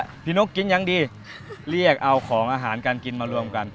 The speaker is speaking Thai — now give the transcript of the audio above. ม่ะครับพี่นกกินยังดีเรียกเอาของอาหารกันกินมาร่วมกัน